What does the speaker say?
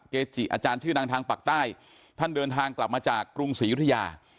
เกจิอาจารย์ชื่อดังทางปากใต้ท่านเดินทางกลับมาจากกรุงศรียุธยา